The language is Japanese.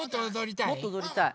もっとおどりたい。